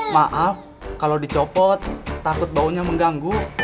maaf kalau dicopot takut baunya mengganggu